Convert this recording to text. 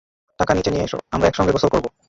টাকা নিচে নিয়ে এসো, আমরা একসঙ্গে গোসল করবো।